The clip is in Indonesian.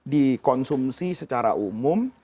dikonsumsi secara umum